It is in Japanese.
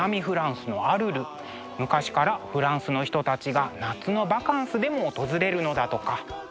昔からフランスの人たちが夏のバカンスでも訪れるのだとか。